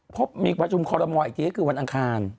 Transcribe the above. พบมีประชุมคอรมอลอีกทีก็คือวันอังคาร